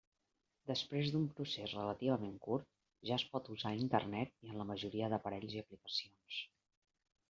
Després un procés relativament curt ja es pot usar a Internet i en la majoria d'aparells i aplicacions.